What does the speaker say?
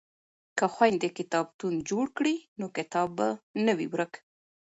که خویندې کتابتون جوړ کړي نو کتاب به نه وي ورک.